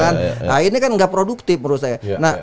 nah ini kan nggak produktif menurut saya